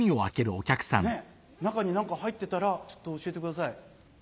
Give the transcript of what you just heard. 中に何か入ってたらちょっと教えてください。